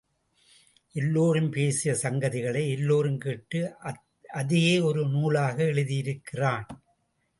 எல்லோரும் பேசிய சங்கதிகளை எல்லாம் கேட்டு, அதையே ஒரு நூலாக எழுதியிருக்கிறான்.